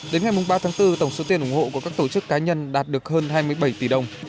đến ngày ba tháng bốn tổng số tiền ủng hộ của các tổ chức cá nhân đạt được hơn hai mươi bảy tỷ đồng